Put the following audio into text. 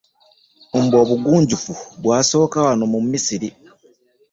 Mbu obugunjufu bwasookera wano mu Misiri?